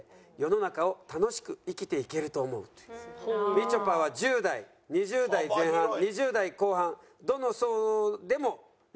みちょぱは１０代２０代前半２０代後半どの層でもランキング１位でした。